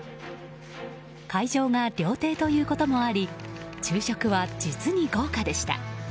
会場が料亭ということもあり昼食は実に豪華でした。